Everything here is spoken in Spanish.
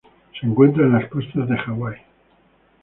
Se encuentra en las costas de Hawaii.